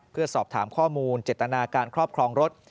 เพื่อสอบถามข้อมูลเจตนาการครอบครองรถ